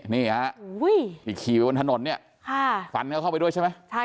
นี่ฮะที่ขี่ไปบนถนนเนี่ยฟันเขาเข้าไปด้วยใช่ไหม